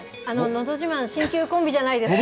のど自慢、新旧コンビじゃないですか。